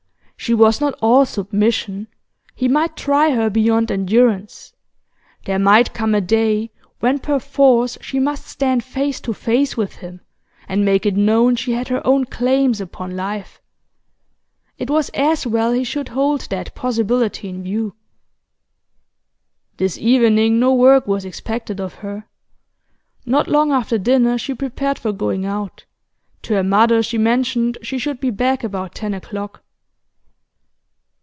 She was not all submission, he might try her beyond endurance; there might come a day when perforce she must stand face to face with him, and make it known she had her own claims upon life. It was as well he should hold that possibility in view. This evening no work was expected of her. Not long after dinner she prepared for going out; to her mother she mentioned she should be back about ten o'clock.